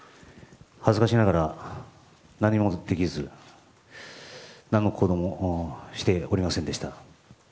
恥ずかしながら何もできず何の行動もしておりませんでした。